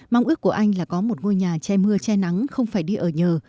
mong ước của anh là có một ngôi nhà che mưa che nắng không phải đi ở nhờ